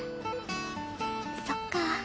そっか。